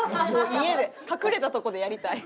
家で隠れたとこでやりたい。